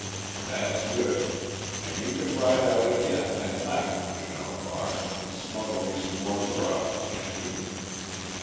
"That's good. An' you can ride out again, at night, you know, Buck, an' smuggle me some more grub, can't you?"